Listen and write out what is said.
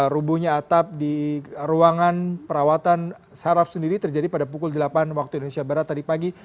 rubuhnya atap di ruangan perawatan saraf sendiri terjadi pada pukul delapan waktu indonesia barat tadi pagi